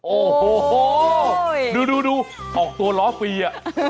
โอ้โหดูออกตัวล้อฟรีอ่ะ